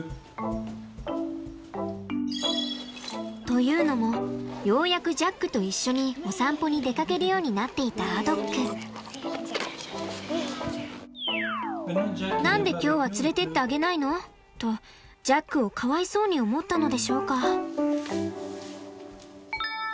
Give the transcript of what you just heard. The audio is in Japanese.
というのもようやくジャックと一緒にお散歩に出かけるようになっていたアドック。とジャックをかわいそうに思ったのでしょうか？